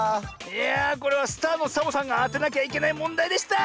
いやあこれはスターのサボさんがあてなきゃいけないもんだいでした。